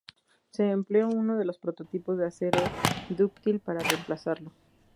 Se empleó uno de los prototipos de acero dúctil para reemplazarlo.